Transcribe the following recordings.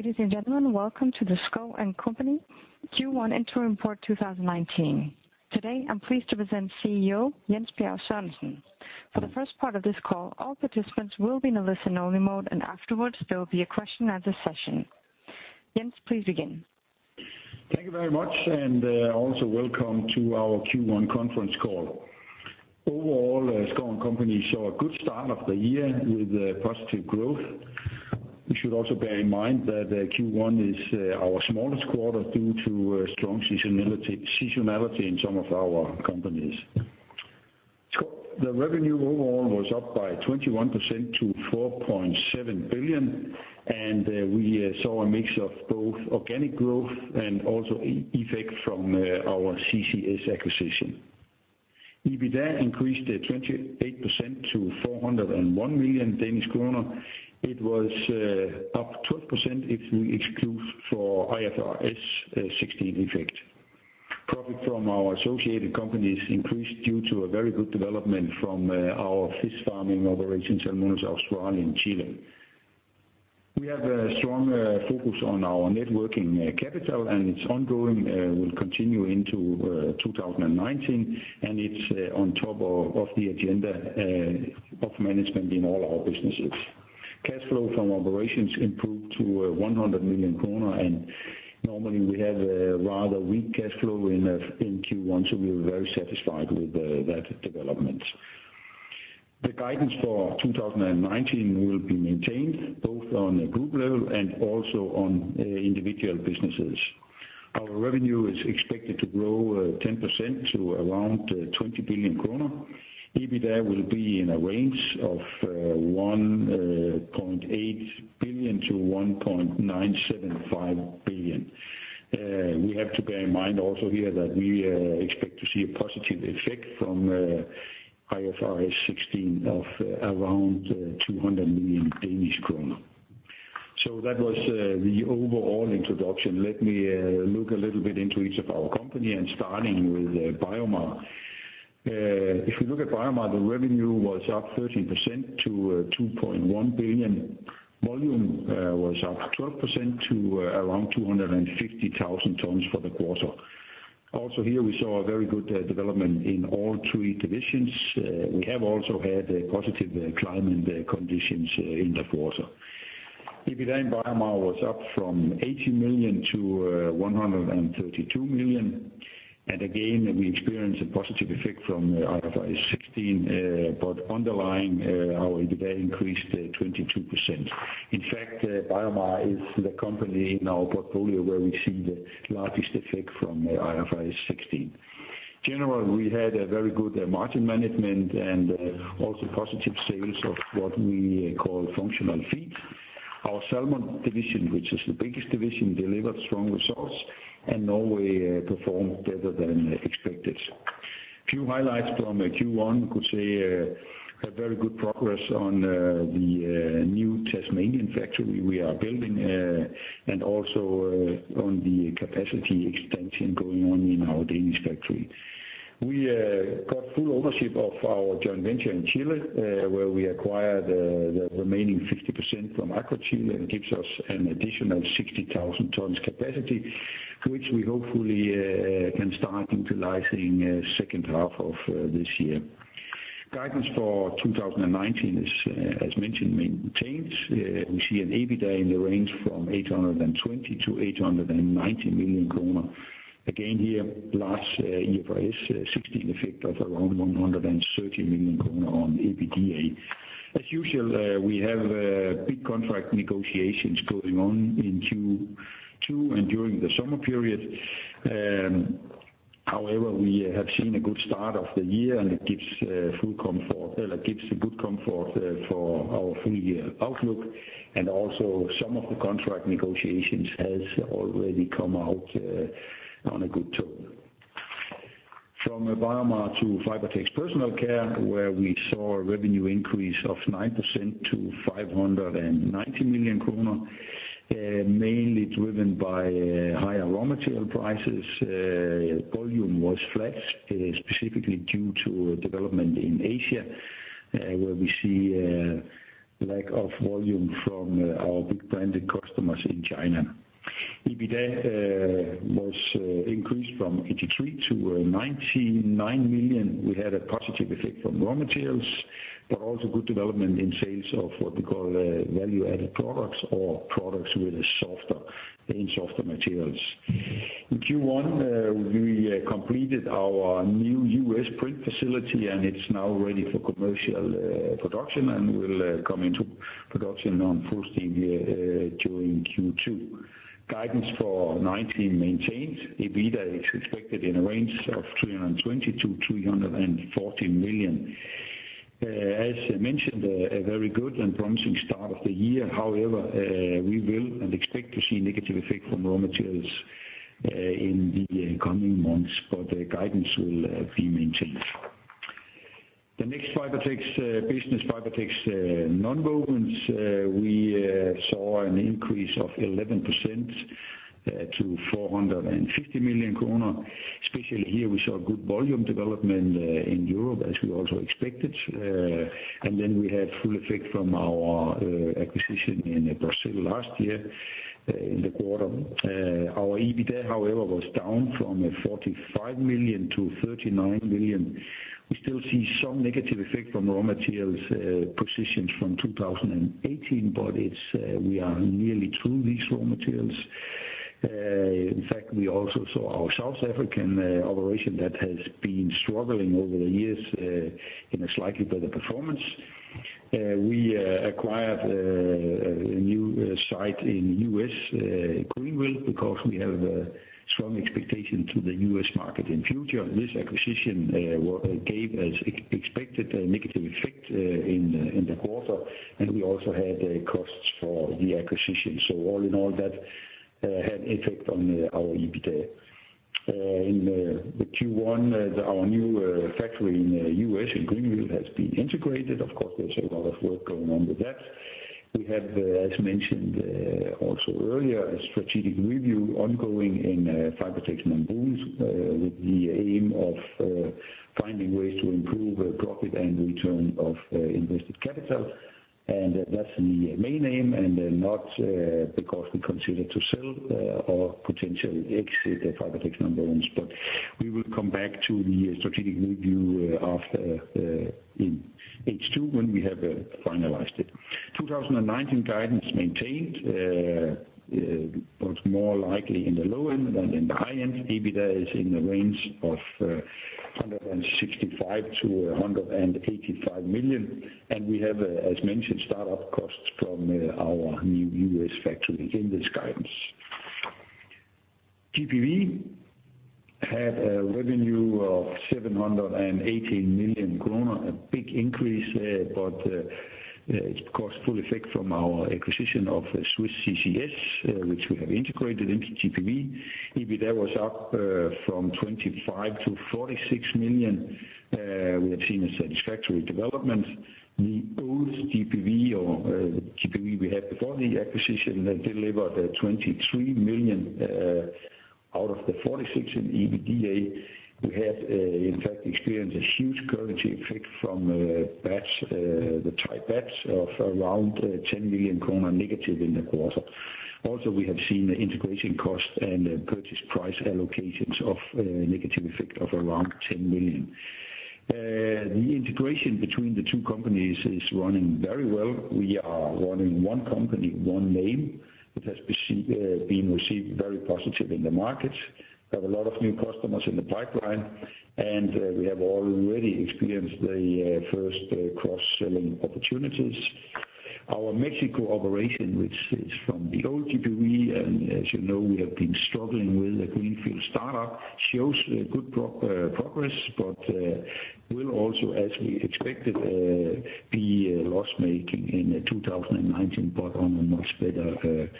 Ladies and gentlemen, welcome to the Schouw & Co. Q1 Interim Report 2019. Today, I'm pleased to present CEO, Jens Bjerg Sørensen. For the first part of this call, all participants will be in a listen-only mode, and afterwards there will be a question and answer session. Jens, please begin. Thank you very much. Also welcome to our Q1 conference call. Overall, Schouw & Co. saw a good start of the year with positive growth. You should also bear in mind that Q1 is our smallest quarter due to strong seasonality in some of our companies. The revenue overall was up by 21% to 4.7 billion. We saw a mix of both organic growth and also effect from our CCS acquisition. EBITDA increased at 28% to 401 million Danish kroner. It was up 12% if we exclude for IFRS 16 effect. Profit from our associated companies increased due to a very good development from our fish farming operations in Salmones Austral and Chile. We have a strong focus on our net working capital. It's ongoing, will continue into 2019. It's on top of the agenda of management in all our businesses. Cash flow from operations improved to 100 million kroner. Normally we have a rather weak cash flow in Q1. We're very satisfied with that development. The guidance for 2019 will be maintained both on a group level and also on individual businesses. Our revenue is expected to grow 10% to around 20 billion kroner. EBITDA will be in a range of 1.8 billion-1.975 billion. We have to bear in mind also here that we expect to see a positive effect from IFRS 16 of around 200 million Danish kroner. That was the overall introduction. Let me look a little bit into each of our company, starting with BioMar. If you look at BioMar, the revenue was up 13% to 2.1 billion. Volume was up 12% to around 250,000 tons for the quarter. Also here we saw a very good development in all three divisions. We have also had a positive climate conditions in the quarter. EBITDA in BioMar was up from 80 million to 132 million. Again, we experienced a positive effect from IFRS 16. Underlying our EBITDA increased 22%. In fact, BioMar is the company in our portfolio where we see the largest effect from IFRS 16. General, we had a very good margin management and also positive sales of what we call functional feed. Our Salmon Division, which is the biggest division, delivered strong results. Norway performed better than expected. Few highlights from Q1, could say, had very good progress on the new Tasmanian factory we are building, also on the capacity expansion going on in our Danish factory. We got full ownership of our joint venture in Chile, where we acquired the remaining 50% from AquaChile, and it gives us an additional 60,000 tons capacity, which we hopefully can start utilizing second half of this year. Guidance for 2019 is, as mentioned, maintained. We see an EBITDA in the range from 820 million-890 million kroner. Again, here, plus IFRS 16 effect of around 130 million kroner on EBITDA. As usual, we have big contract negotiations going on in Q2 and during the summer period. However, we have seen a good start of the year, and it gives a good comfort for our full-year outlook. Also, some of the contract negotiations has already come out on a good tone. From BioMar to Fibertex Personal Care, where we saw a revenue increase of 9% to 590 million kroner. Mainly driven by higher raw material prices. Volume was flat, specifically due to development in Asia, where we see a lack of volume from our big branded customers in China. EBITDA was increased from 83 million to 99 million. We had a positive effect from raw materials, but also good development in sales of what we call value-added products or products in softer materials. In Q1, we completed our new U.S. print facility, it's now ready for commercial production and will come into production on full steam during Q2. Guidance for 2019 maintained. EBITDA is expected in a range of 320 million-340 million. As mentioned, a very good and promising start of the year. However, we will and expect to see negative effect from raw materials in the coming months, but the guidance will be maintained. The next Fibertex business, Fibertex Nonwovens, we saw an increase of 11% to 450 million kroner. Especially here we saw good volume development in Europe, as we also expected. Then we had full effect from our acquisition in Brazil last year in the quarter. Our EBITDA, however, was down from 45 million to 39 million. We still see some negative effect from raw materials positions from 2018, but we are nearly through these raw materials. In fact, we also saw our South African operation that has been struggling over the years in a slightly better performance. We acquired a new site in the U.S., Greenville, because we have a strong expectation to the U.S. market in future. This acquisition gave us expected negative effect in the quarter, and we also had costs for the acquisition. All in all, that had effect on our EBITDA. In the Q1, our new factory in the U.S. in Greenville has been integrated. Of course, there's a lot of work going on with that. We have, as mentioned also earlier, a strategic review ongoing in Fibertex Nonwovens with the aim of finding ways to improve profit and return of invested capital. That's the main aim, not because we consider to sell or potentially exit the Fibertex Nonwovens, but we will come back to the strategic review in H2 when we have finalized it. 2019 guidance maintained, but more likely in the low end than in the high end. EBITDA is in the range of 165 million-185 million. We have, as mentioned, start-up costs from our new U.S. factory in this guidance. GPV had a revenue of 718 million kroner, a big increase there, but it's of course full effect from our acquisition of Swiss CCS, which we have integrated into GPV. EBITDA was up from 25 million to 46 million. We have seen a satisfactory development. The old GPV or GPV we had before the acquisition delivered 23 million out of 46 million in EBITDA. We have, in fact, experienced a huge currency effect from the Thai baht of around 10 million kroner negative in the quarter. Also, we have seen integration costs and purchase price allocations of a negative effect of around 10 million. The integration between the two companies is running very well. We are running one company, one name. It has been received very positive in the market. We have a lot of new customers in the pipeline, and we have already experienced the first cross-selling opportunities. Our Mexico operation, which is from the old GPV, as you know, we have been struggling with a greenfield start-up, shows good progress, but will also, as we expected, be loss-making in 2019, but on a much better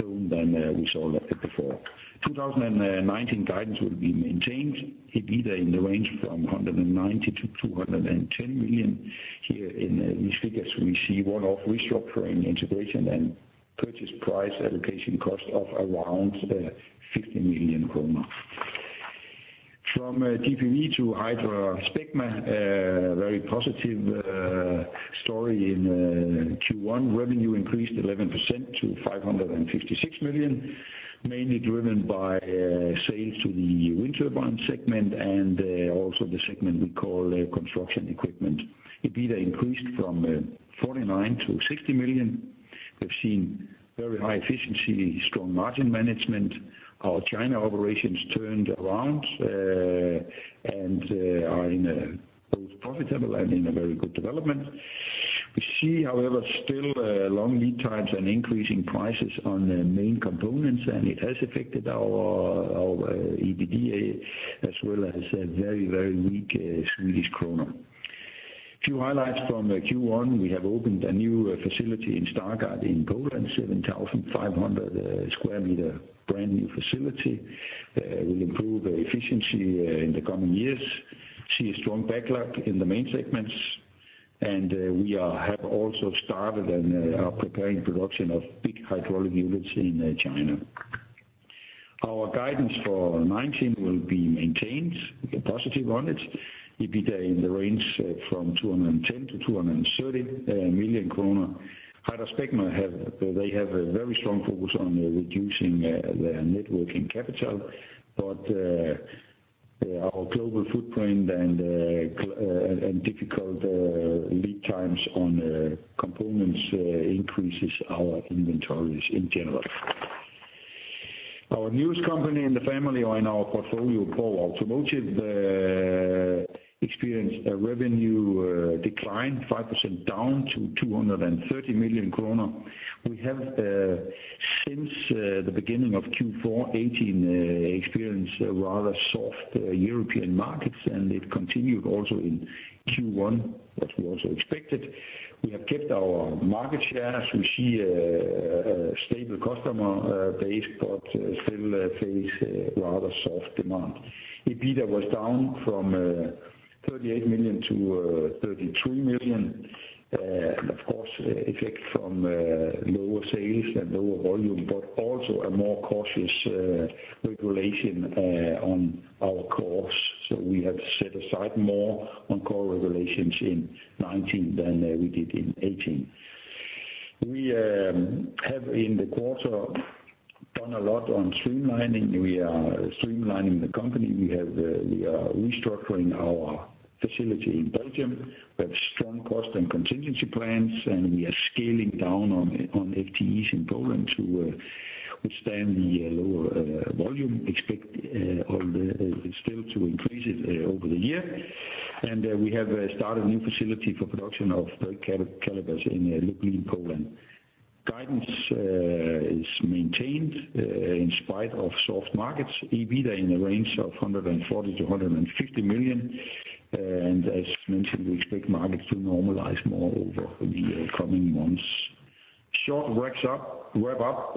tone than we saw before. 2019 guidance will be maintained, EBITDA in the range from 190 million-210 million. Here in these figures, we see one-off restructuring, integration, and purchase price allocation cost of around 50 million kroner. From GPV to HydraSpecma, a very positive story in Q1. Revenue increased 11% to 556 million, mainly driven by sales to the wind turbine segment and also the segment we call construction equipment. EBITDA increased from 49 million to 60 million. We've seen very high efficiency, strong margin management. Our China operations turned around and are both profitable and in a very good development. We see, however, still long lead times and increasing prices on the main components. It has affected our EBITDA as well as a very weak Swedish krona. A few highlights from Q1. We have opened a new facility in Stargard in Poland, 7,500 sq m brand-new facility. It will improve efficiency in the coming years. We see a strong backlog in the main segments. We have also started and are preparing production of big hydraulic units in China. Our guidance for 2019 will be maintained. We are positive on it. EBITDA in the range from 210 million-230 million kroner. HydraSpecma, they have a very strong focus on reducing their net working capital, but our global footprint and difficult lead times on components increases our inventories in general. Our newest company in the family or in our portfolio, Borg Automotive, experienced a revenue decline, 5% down to 230 million kroner. We have, since the beginning of Q4 2018, experienced rather soft European markets. It continued also in Q1, that we also expected. We have kept our market share as we see a stable customer base but still face rather soft demand. EBITDA was down from 38 million to 33 million. Of course, effect from lower sales and lower volume, but also a more cautious regulation on our cores. We have set aside more on core regulations in 2019 than we did in 2018. We have, in the quarter, done a lot on streamlining. We are streamlining the company. We are restructuring our facility in Belgium. We have strong cost and contingency plans. We are scaling down on FTEs in Poland to withstand the lower volume. We expect still to increase it over the year. We have started a new facility for production of big calibers in Lublin, Poland. Guidance is maintained in spite of soft markets. EBITDA in the range of 140 million to 150 million. As mentioned, we expect markets to normalize more over the coming months. Short wrap-up.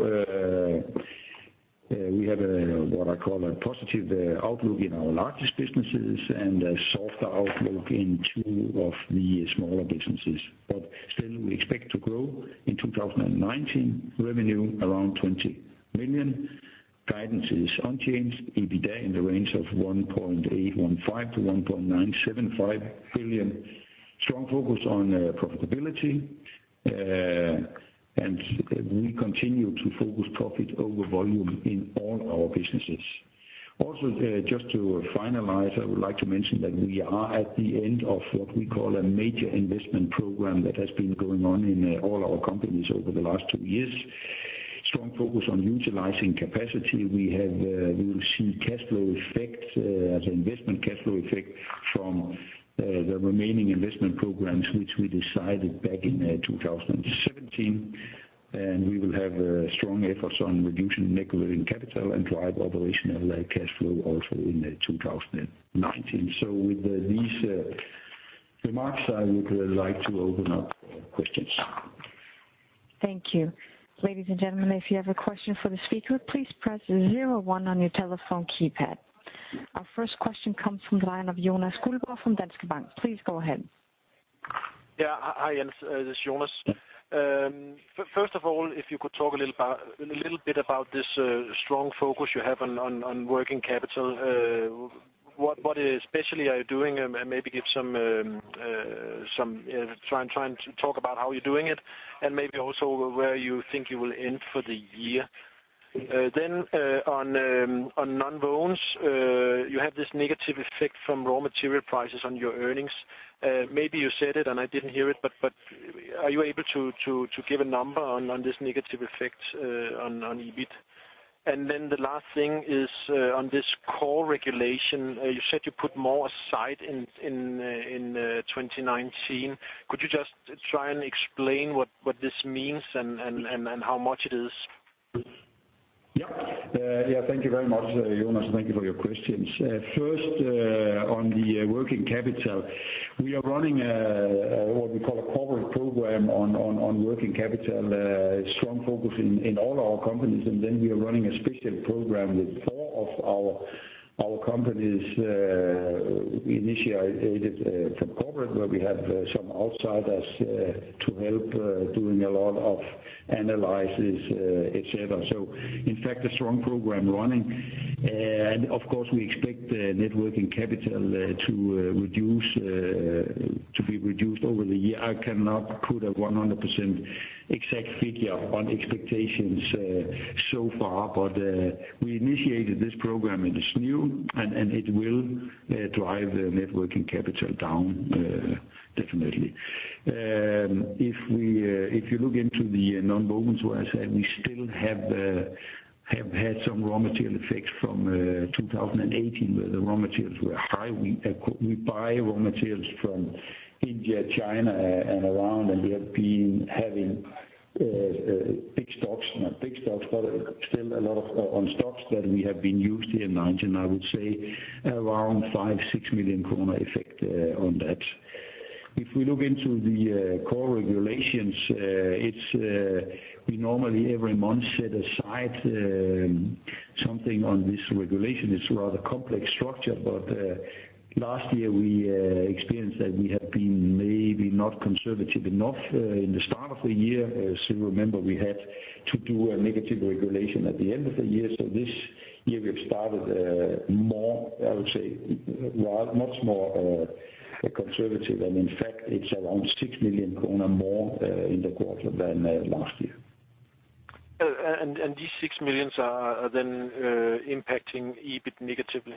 We have what I call a positive outlook in our largest businesses and a softer outlook in two of the smaller businesses. Still, we expect to grow in 2019 revenue around 20 million. Guidance is unchanged. EBITDA in the range of 1.815 billion to 1.975 billion. Strong focus on profitability. We continue to focus profit over volume in all our businesses. Also, just to finalize, I would like to mention that we are at the end of what we call a major investment program that has been going on in all our companies over the last two years. Strong focus on utilizing capacity. We will see cash flow effects as investment cash flow effect from the remaining investment programs, which we decided back in 2017. We will have strong efforts on reducing net working capital and drive operational cash flow also in 2019. With these remarks, I would like to open up for questions. Thank you. Ladies and gentlemen, if you have a question for the speaker, please press 01 on your telephone keypad. Our first question comes from the line of Jonas Guldbrand from Danske Bank. Please go ahead. Hi, Jens. This is Jonas. First of all, if you could talk a little bit about this strong focus you have on working capital. What especially are you doing and try and talk about how you're doing it, and maybe also where you think you will end for the year? Then on Nonwovens, you have this negative effect from raw material prices on your earnings. Maybe you said it and I didn't hear it, but are you able to give a number on this negative effect on EBIT? Then the last thing is on this core regulation, you said you put more aside in 2019. Could you just try and explain what this means and how much it is? Thank you very much, Jonas. Thank you for your questions. First, on the working capital. We are running a, what we call a corporate program on working capital, strong focus in all our companies. We are running a special program with four of our companies, initiated from corporate, where we have some outsiders to help doing a lot of analysis, et cetera. In fact, a strong program running. Of course, we expect net working capital to be reduced over the year. I cannot put a 100% exact figure on expectations so far, but we initiated this program and it's new, and it will drive net working capital down, definitely. If you look into the Nonwovens, where I said we still have had some raw material effects from 2018, where the raw materials were high. We buy raw materials from India, China, and around. We have been having big stocks. Not big stocks, but still a lot of on stocks that we have been using in 2019. I would say around 5 million-6 million kroner effect on that. If we look into the core regulations, we normally every month set aside something on this regulation. It's a rather complex structure, but last year we experienced that we have been maybe not conservative enough in the start of the year. Remember, we had to do a negative regulation at the end of the year. This year we have started a more, I would say, much more conservative and in fact it's around 6 million kroner more in the quarter than last year. These 6 million are then impacting EBIT negatively?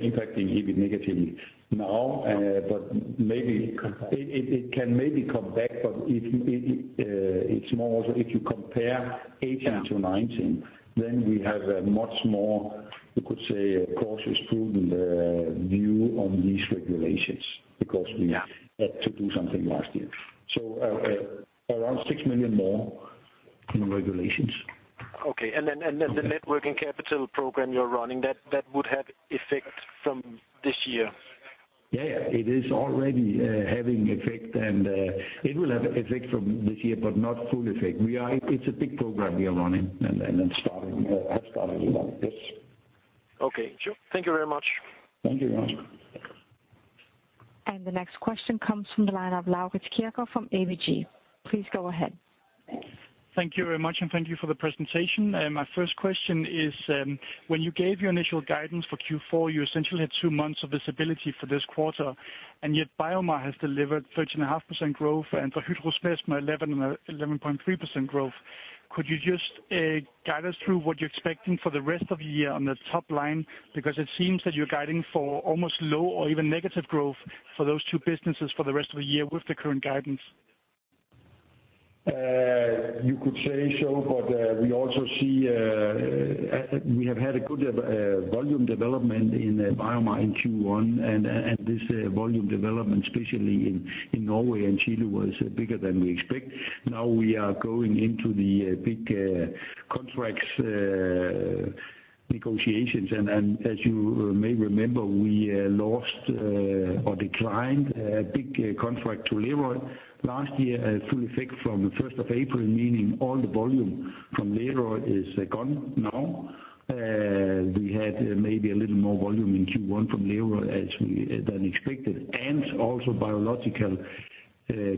Impacting EBIT negatively now, it can maybe come back, but it's more also if you compare 2018 to 2019, then we have a much more, you could say, cautious, prudent view on these regulations because we had to do something last year. Around 6 million more in regulations. Okay. The net working capital program you're running, that would have effect from this year? Yeah. It is already having effect, and it will have effect from this year, but not full effect. It's a big program we are running and have started this. Okay, sure. Thank you very much. Thank you, Jonas. The next question comes from the line of Laurits Kierkegaard from ABG. Please go ahead. Thank you very much, and thank you for the presentation. My first question is, when you gave your initial guidance for Q4, you essentially had two months of visibility for this quarter, and yet BioMar has delivered 13.5% growth and for HydraSpecma, 11.3% growth. Could you just guide us through what you're expecting for the rest of the year on the top line? Because it seems that you're guiding for almost low or even negative growth for those two businesses for the rest of the year with the current guidance. You could say so, we also see we have had a good volume development in BioMar in Q1 and this volume development, especially in Norway and Chile, was bigger than we expect. We are going into the big contracts negotiations and as you may remember, we lost or declined a big contract to Lerøy last year, full effect from the 1st of April, meaning all the volume from Lerøy is gone now. We had maybe a little more volume in Q1 from Lerøy than expected, and also biological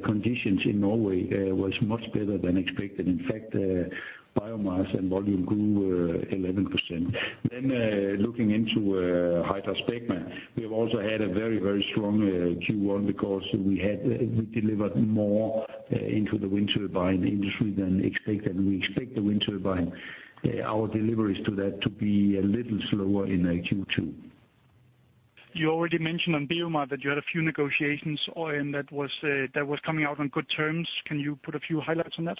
conditions in Norway were much better than expected. In fact, BioMar's volume grew 11%. Looking into HydraSpecma, we have also had a very strong Q1 because we delivered more into the wind turbine industry than expected. We expect our deliveries to the wind turbine to be a little slower in Q2. You already mentioned on BioMar that you had a few negotiations and that was coming out on good terms. Can you put a few highlights on that?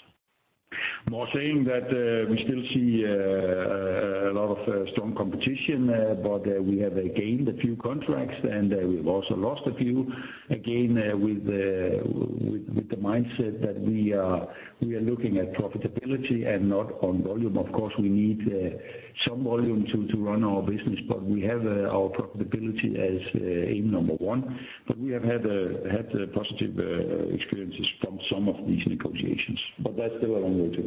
More saying that we still see a lot of strong competition, but we have gained a few contracts and we've also lost a few. Again, with the mindset that we are looking at profitability and not on volume. Of course, we need some volume to run our business, but we have our profitability as aim number one, but we have had positive experiences from some of these negotiations, but there's still a long way to go.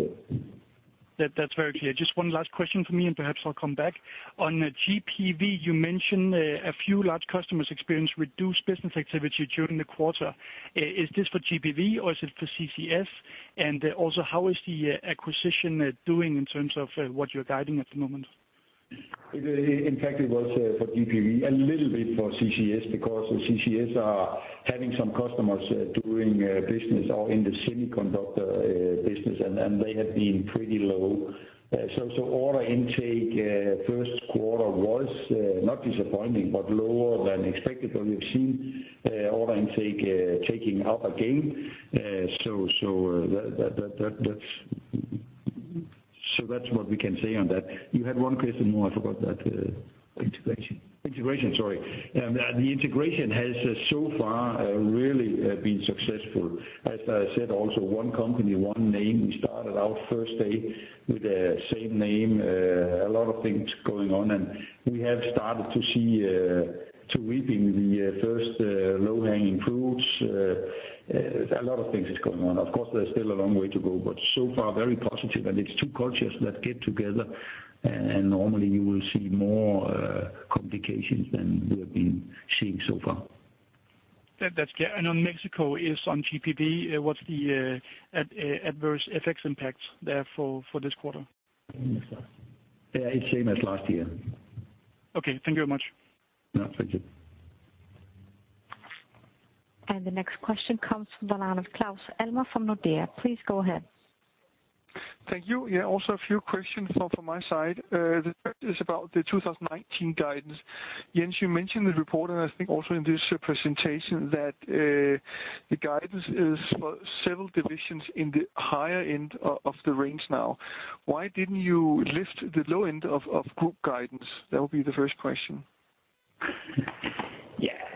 That's very clear. Just one last question from me, perhaps I'll come back. On GPV, you mentioned a few large customers experienced reduced business activity during the quarter. Is this for GPV or is it for CCS? Also, how is the acquisition doing in terms of what you're guiding at the moment? In fact, it was for GPV, a little bit for CCS, because CCS are having some customers doing business or in the semiconductor business, and they have been pretty low. Order intake first quarter was not disappointing, but lower than expected, but we've seen order intake taking up again. That's what we can say on that. You had one question more, I forgot that. Integration. Integration, sorry. The integration has so far really been successful. As I said, also one company, one name. We started our first day with the same name, a lot of things going on, and we have started to see to reaping the first low-hanging fruits. A lot of things are going on. Of course, there's still a long way to go, but so far, very positive. It's two cultures that get together and normally you will see more complications than we have been seeing so far. That's clear. On Mexico is on GPV, what's the adverse FX impact there for this quarter? Yeah, it's same as last year. Okay. Thank you very much. Yeah. Thank you. The next question comes from the line of Claus Almer from Nordea. Please go ahead. Thank you. Yeah, also a few questions from my side. The first is about the 2019 guidance. Jens, you mentioned the report, and I think also in this presentation that the guidance is for several divisions in the higher end of the range now. Why didn't you lift the low end of group guidance? That would be the first question.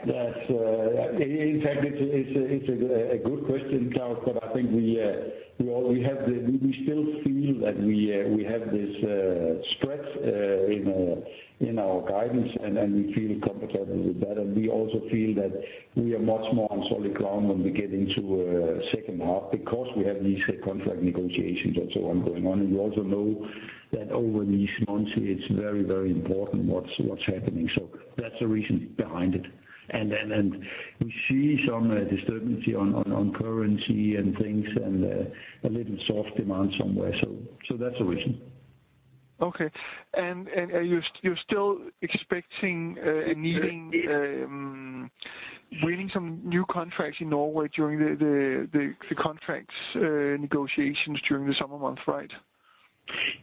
Yeah. That's, in fact, it's a good question, Claus, but I think we still feel that we have this stretch in our guidance, and we feel comfortable with that. We also feel that we are much more on solid ground when we get into second half because we have these contract negotiations also ongoing on. We also know that over these months, it's very important what's happening. That's the reason behind it. We see some disturbance on currency and things and a little soft demand somewhere. That's the reason. Okay. You're still expecting and needing winning some new contracts in Norway during the contracts negotiations during the summer months, right?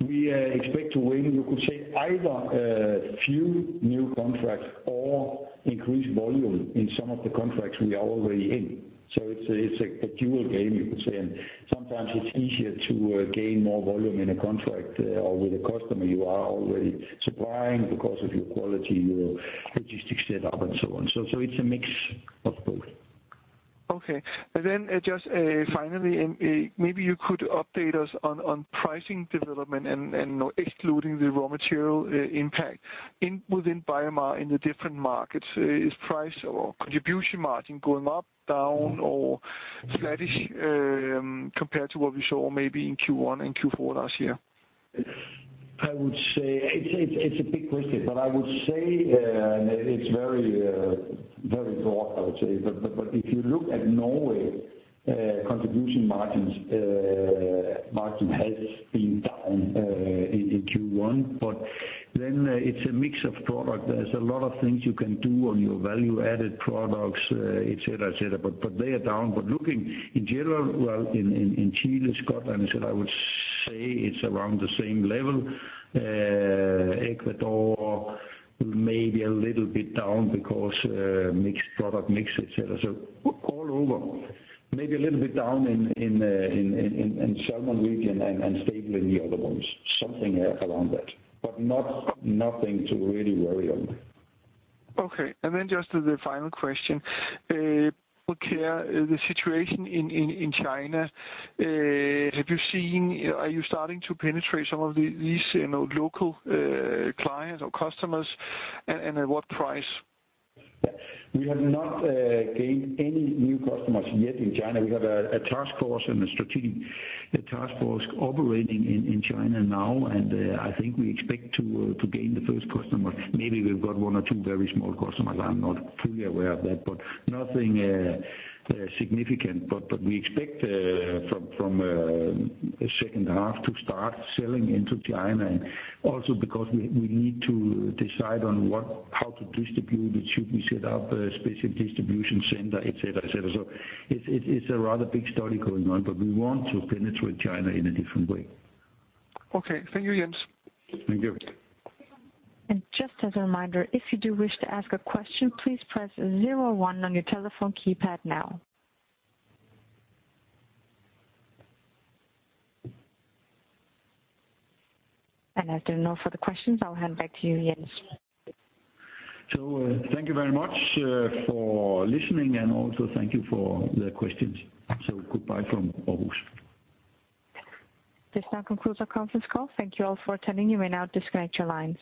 We expect to win, you could say, either a few new contracts or increase volume in some of the contracts we are already in. It's a dual game, you could say, and sometimes it's easier to gain more volume in a contract or with a customer you are already supplying because of your quality, your logistics setup and so on. It's a mix of both. Okay. Just finally, maybe you could update us on pricing development and excluding the raw material impact within BioMar in the different markets. Is price or contribution margin going up, down or flattish compared to what we saw maybe in Q1 and Q4 last year? I would say it's a big question, I would say it's very broad. If you look at Norway, contribution margin has been down in Q1, it's a mix of product. There's a lot of things you can do on your value-added products, et cetera. They are down. Looking in general, well, in Chile, Scotland, I would say it's around the same level. Ecuador may be a little bit down because mixed product mix, et cetera. All over, maybe a little bit down in Salmon Region and stable in the other ones, something around that. Nothing to really worry on. Okay, just the final question. Care, the situation in China, are you starting to penetrate some of these local clients or customers, and at what price? We have not gained any new customers yet in China. We have a task force and a strategic task force operating in China now. I think we expect to gain the first customer. Maybe we've got one or two very small customers. I'm not fully aware of that, but nothing significant. We expect from the second half to start selling into China, also because we need to decide on how to distribute it. Should we set up a specific distribution center, et cetera. It's a rather big study going on, but we want to penetrate China in a different way. Okay. Thank you, Jens. Thank you. Just as a reminder, if you do wish to ask a question, please press 01 on your telephone keypad now. As there are no further questions, I'll hand back to you, Jens. Thank you very much for listening, and also thank you for the questions. Goodbye from Aarhus. This now concludes our conference call. Thank you all for attending. You may now disconnect your lines.